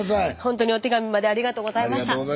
本当にお手紙までありがとうございました。